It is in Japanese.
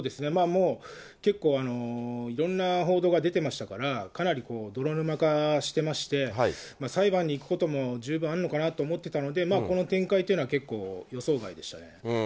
もう結構、いろんな報道が出てましたから、かなり泥沼化してまして、裁判に行くことも十分あるのかなと思ってたので、この展開というのは、結構予想外でしたね。